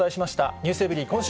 ｎｅｗｓｅｖｅｒｙ．今週